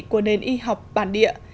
của nền y học bản địa